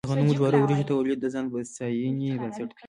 د غنمو، جوارو او وريجو تولید د ځان بسیاینې بنسټ دی.